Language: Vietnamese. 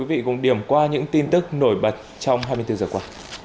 tiếp theo mời quý vị điểm qua những tin tức nổi bật trong hai mươi bốn h qua